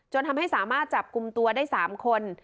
ทำให้สามารถจับกลุ่มตัวได้๓คน